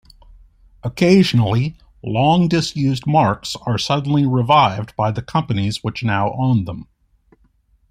Occasionally, long-disused marks are suddenly revived by the companies which now own them.